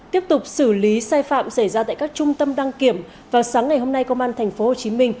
tiếp tục xử lý sai phạm xảy ra tại các trung tâm đăng kiểm vào sáng ngày hôm nay công an tp hcm